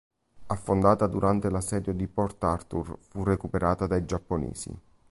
Affondata durante l'assedio di Port Arthur, fu recuperata dai giapponesi.